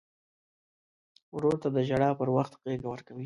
ورور ته د ژړا پر وخت غېږ ورکوي.